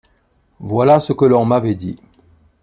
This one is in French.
Voilà ce que l'on m'avait dit.